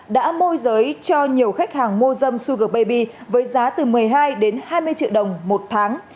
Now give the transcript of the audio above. đã môi giới cho nhiều khách hàng mua dâm sug baby với giá từ một mươi hai đến hai mươi triệu đồng một tháng